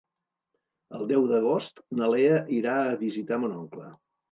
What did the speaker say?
El deu d'agost na Lea irà a visitar mon oncle.